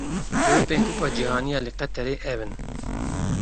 Grûpên Kupa Cîhanî ya li Qeterê ev in.